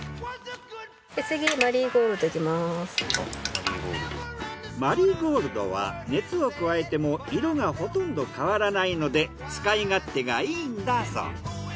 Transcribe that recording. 次マリーゴールドは熱を加えても色がほとんど変わらないので使い勝手がいいんだそう。